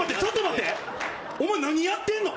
お前、何やってんの？